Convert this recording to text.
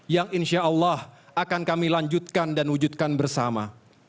yang insya allah akan kami lanjutkan dan wujudkan bersama